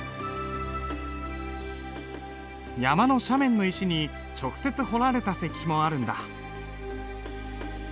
山の斜面の石に直接彫られた石碑もあるんだ。